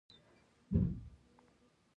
باد چلېده.